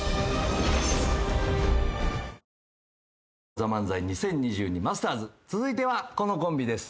『ＴＨＥＭＡＮＺＡＩ２０２２マスターズ』続いてはこのコンビです。